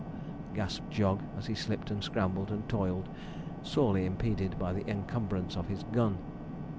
gasped Jog, as he slipped, and scrambled, and toiled, sorely impeded by the encumbrance of his gun.